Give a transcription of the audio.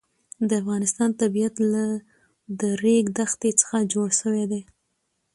د افغانستان طبیعت له د ریګ دښتې څخه جوړ شوی دی.